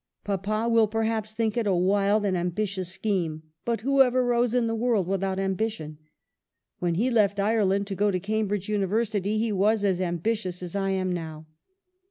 Papa will perhaps think it a wild and ambitious scheme ; but who ever rose in the world without ambition ? When he left Ireland to go to Cam bridge University he was as ambitious as I am now."